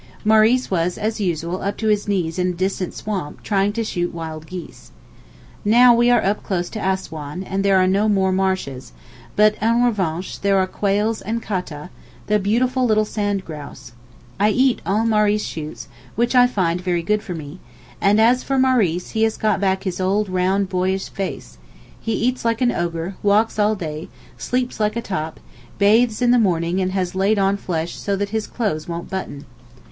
Maurice was as usual up to his knees in a distant swamp trying to shoot wild geese. Now we are up close to Assouan, and there are no more marshes; but en revanche there are quails and kata, the beautiful little sand grouse. I eat all that Maurice shoots, which I find very good for me; and as for Maurice he has got back his old round boyish face; he eats like an ogre, walks all day, sleeps like a top, bathes in the morning and has laid on flesh so that his clothes won't button.